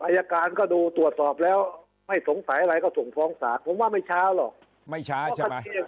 อายการก็ดูตรวจสอบแล้วไม่สงสัยอะไรก็ส่งฟ้องศาลผมว่าไม่ช้าหรอกไม่ช้า